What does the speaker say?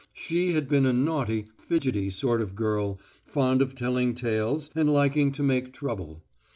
She had been a naughty, fidgetty sort of girl, fond of telling tales and liking to make trouble.